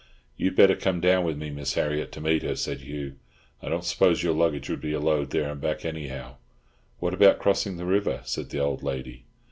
"You'd better come down with me, Miss Harriott, to meet her," said Hugh. "I don't suppose your luggage would be a load there and back, anyhow." "What about crossing the river?" said the old lady.